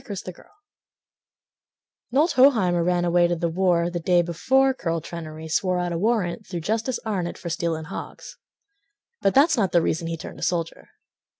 Lydia Puckett Knowlt Hoheimer ran away to the war The day before Curl Trenary Swore out a warrant through Justice Arnett For stealing hogs. But that's not the reason he turned a soldier.